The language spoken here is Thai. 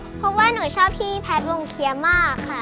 เพราะว่าหนูชอบพี่แพทย์วงเคลียร์มากค่ะ